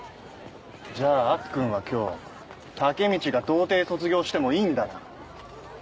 じゃあアッくんは今日タケミチが童貞卒業してもいいんだな？